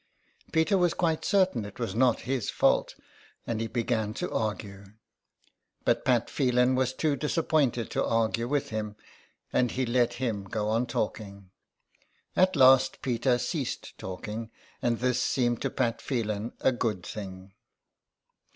Peter was quite certain it was not his fault, and he began to argue. But Pat Phelan was too disappointed to argue with him, and he let him go on talking. At last Peter ceased talking, and this seemed to Pat Phelan a good thing.